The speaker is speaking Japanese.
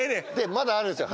まだあるんですよ